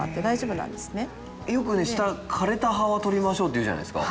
よく枯れた葉は取りましょうって言うじゃないですか。